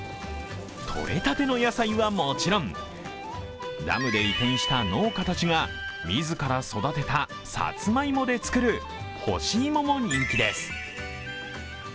とれたての野菜は餅、ダムで移転した農家たちが自ら育てたさつまいもで作る干しいもも人気です。